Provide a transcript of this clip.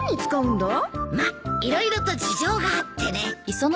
まっ色々と事情があってね。